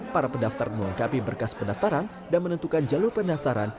pemerintah mengungkapi berkas pendaftaran dan menentukan jalur pendaftaran